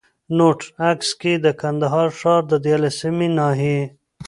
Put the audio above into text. نوټ: عکس کي د کندهار ښار د ديارلسمي ناحيې